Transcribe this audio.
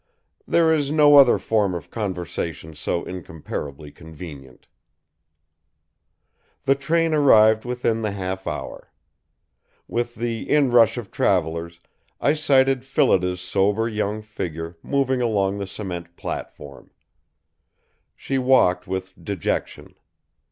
There is no other form of conversation so incomparably convenient. The train arrived within the half hour. With the inrush of travelers, I sighted Phillida's sober young figure moving along the cement platform. She walked with dejection.